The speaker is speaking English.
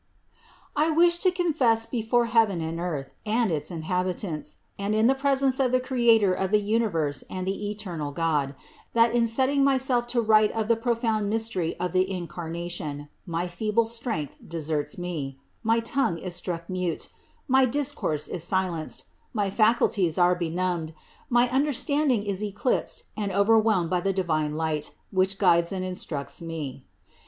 123. I wish to confess before heaven and earth and its inhabitants, and in the presence of the Creator of the universe and the eternal God, that in setting myself to write of the profound mystery of the Incarnation, my feeble strength deserts me, my tongue is struck mute, my discourse is silenced, my faculties are benumbed, my understanding is eclipsed and overwhelmed by the divine light, which guides and instructs me.